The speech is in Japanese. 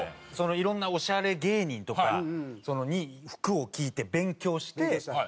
いろんなオシャレ芸人とかに服を聞いて勉強して。